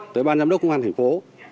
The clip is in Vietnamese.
tới ban giám đốc công an thành phố